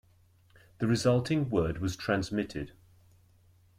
The resulting word was transmitted.